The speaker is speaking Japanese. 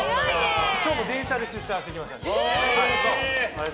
今日も電車で出社してきました。